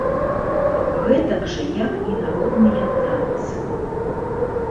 Гэтак жа як і народныя танцы.